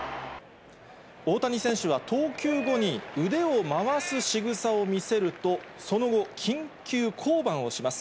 大谷選手は投球後に、腕を回すしぐさを見せると、その後、緊急降板をします。